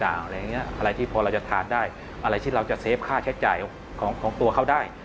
อะไรที่พอเราจะทานได้อะไรที่เราจะเซฟค่าใช้จ่ายของตัวเขาได้